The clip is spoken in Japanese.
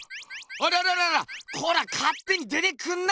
あららららコラかってに出てくんな！